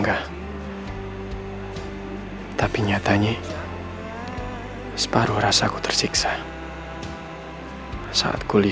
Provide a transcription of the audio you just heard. lo hitung udah berapa kali